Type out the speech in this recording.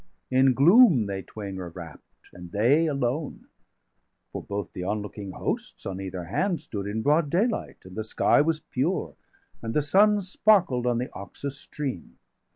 485 In gloom they twain were wrapp'd, and they alone; For both the on looking hosts on either hand Stood in broad daylight, and the sky was pure, And the sun sparkled° on the Oxus stream.